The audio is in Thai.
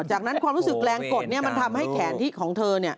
จากนั้นความรู้สึกแรงกดมันทำให้แขนที่ของเธอ